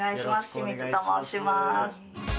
清水と申します。